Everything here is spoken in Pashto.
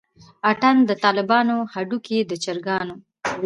اتڼ دطالبانو هډوکے دچرګانو